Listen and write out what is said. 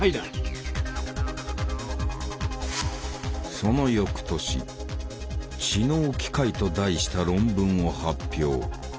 その翌年「知能機械」と題した論文を発表。